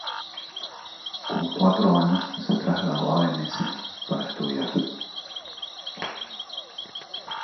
Con cuatro años se trasladó a Venecia, para estudiar.